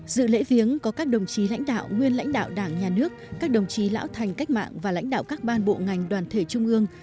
dự lễ viếng có các đồng chí lãnh đạo nguyên lãnh đạo đảng nhà nước các đồng chí lão thành cách mạng và lãnh đạo các ban bộ ngành đoàn thể trung ương